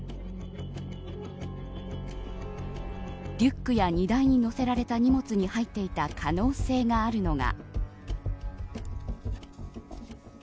リュックや荷台に載せられた荷物に入っていた可能性があるのが。